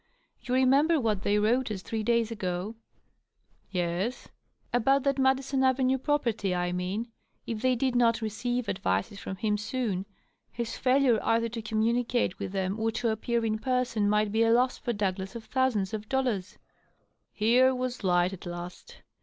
You remember what they wrote us three days ago ?" "Yes." " About that Madison Avenue property, I mean. If they did not receive advices from him soon, his failure either to communicate with them or to appear in person might be a loss for Douglas of thousands of dollars." Here was light at last.